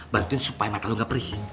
bantuin supaya makan lo gak perih